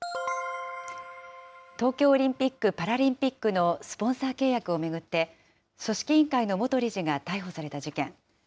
東京オリンピック・パラリンピックのスポンサー契約を巡って、組織委員会の元理事が逮捕された事件。